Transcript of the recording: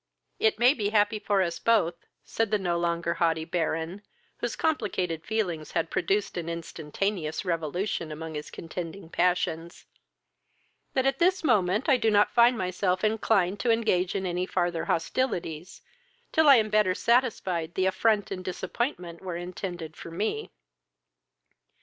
"It may be happy for us both, (said the no longer haughty Baron, whose complicated feelings had produced an instantaneous revolution among his contending passions,) that at this moment I do not find myself inclined to engage in any farther hostilities, till I am better satisfied the affront and disappointment were intended for me.